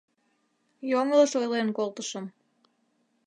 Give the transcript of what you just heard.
Йоҥылыш ойлен колтышым.